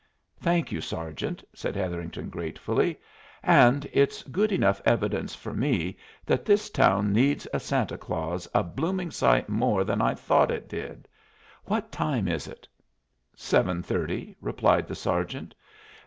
"Thank you, sergeant," said Hetherington, gratefully. "And it's good enough evidence for me that this town needs a Santa Claus a blooming sight more than I thought it did. What time is it?" "Seven thirty," replied the sergeant.